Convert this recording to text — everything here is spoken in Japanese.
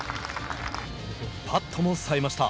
パットもさえました。